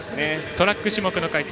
トラック種目の解説